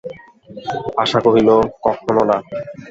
আশা কহিল, কখনো না।